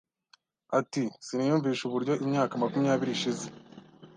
ati Siniyumvisha uburyo imyaka makumyabiri ishize,